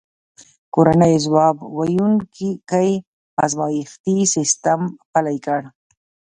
کورنیو ځواب ویونکی ازمایښتي سیستم پلی کړ.